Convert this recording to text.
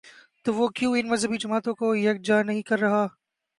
تو وہ کیوں ان مذہبی جماعتوں کو یک جا نہیں کر رہا؟